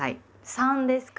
三ですか？